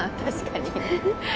確かにね。